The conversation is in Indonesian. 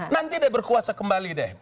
nanti dia berkuasa kembali deh